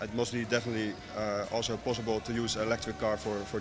maka itu pasti juga mungkin untuk menggunakan mobil listrik untuk penggunaan sehari hari